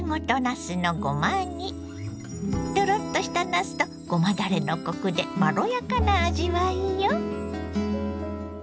トロッとしたなすとごまだれのコクでまろやかな味わいよ。